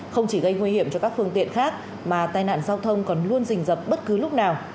không chỉ gây nguy hiểm cho các phương tiện khác mà tai nạn giao thông còn luôn dình dập bất cứ lúc nào